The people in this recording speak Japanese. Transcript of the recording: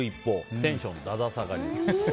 テンションダダ下がり。